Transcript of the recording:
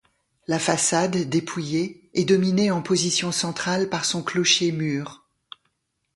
La façade dépouillée est dominée en position centrale par son clocher-mur.